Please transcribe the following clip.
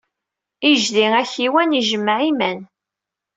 Ijdi akiwan ijemmeɛ iman.